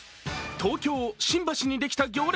東京・新橋にできた行列。